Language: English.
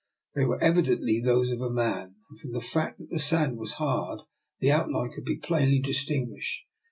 They were evidently those of a man, and from the fact that the sand was hard the outline could be plainly dis tinguished.